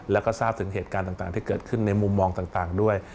แล้วก็ทราบถึงเหตุการณ์ต่างที่เกิดขึ้นในมุมมองต่างด้วย